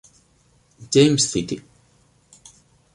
James City.